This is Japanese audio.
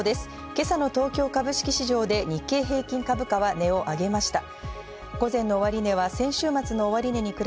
今朝の東京株式市場で日経平均株価は値を上げました。